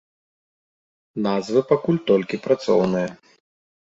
Назвы пакуль толькі працоўныя.